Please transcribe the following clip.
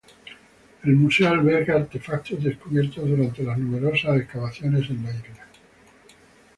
El museo alberga artefactos descubiertos durante las numerosas excavaciones en la isla.